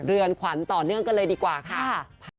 เรือนขวัญต่อเนื่องกันเลยดีกว่าค่ะ